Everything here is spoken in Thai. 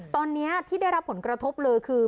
ตอนนี้ที่ได้รับผลกระทบเลยคือ